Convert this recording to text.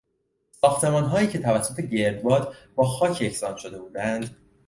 ساختمانهایی که توسط گردباد با خاک یکسان شده بودند